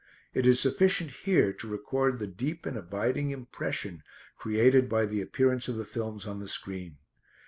It is sufficient here to record the deep and abiding impression created by the appearance of the films on the screen.